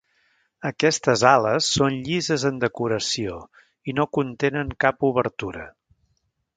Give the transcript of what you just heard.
Aquestes ales són llises en decoració i no contenen cap obertura.